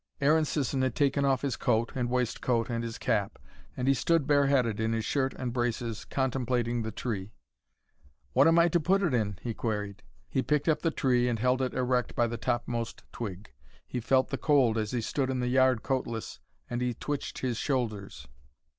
Aaron Sisson had taken off his coat and waistcoat and his cap. He stood bare headed in his shirt and braces, contemplating the tree. "What am I to put it in?" he queried. He picked up the tree, and held it erect by the topmost twig. He felt the cold as he stood in the yard coatless, and he twitched his shoulders.